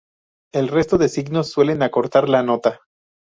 El resto de signos suelen acortar la nota.